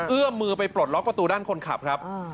เอื้อมมือไปปลดล็อกประตูด้านคนขับครับ